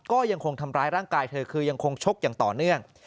ก็ยังคงทำร้ายร่างกายเธอคือยังคงชกอย่างต่อเนื่อง